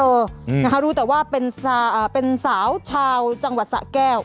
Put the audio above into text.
นะคะรู้แต่ว่าเป็นสาวชาวจังหวัดสะแก้ว